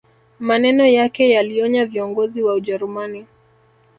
Maneno yake yalionya viongozi wa ujerumani